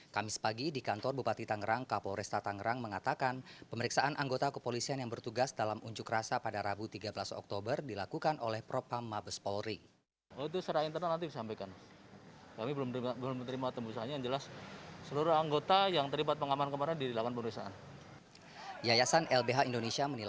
kamis pagi di kantor bupati tangerang kapolresta tangerang mengatakan pemeriksaan anggota kepolisian yang bertugas dalam unjuk rasa pada rabu tiga belas oktober dilakukan oleh propam mabes polri